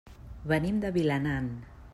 Venim de Vilanant.